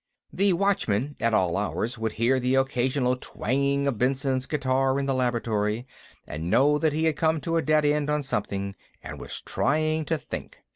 The watchmen, at all hours, would hear the occasional twanging of Benson's guitar in the laboratory, and know that he had come to a dead end on something and was trying to think.